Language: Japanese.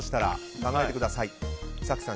考えてください。